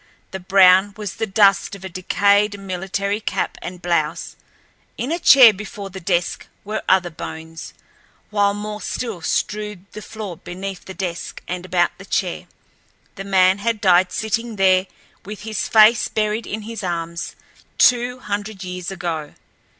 The brown was the dust of a decayed military cap and blouse. In a chair before the desk were other bones, while more still strewed the floor beneath the desk and about the chair. A man had died sitting there with his face buried in his arms—two hundred years ago.